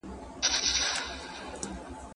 بریالیتوب زده کېدونکی بهیر دی.